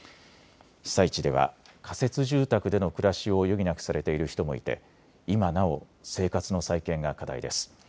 被災地では仮設住宅での暮らしを余儀なくされている人もいて今なお生活の再建が課題です。